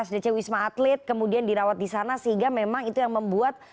atau ke rumah rsdc wisma atlet kemudian dirawat di sana sehingga memang itu yang membuat